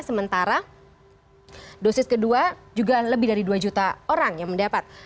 sementara dosis kedua juga lebih dari dua juta orang yang mendapat